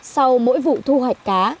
sau mỗi vụ thu hoạch cá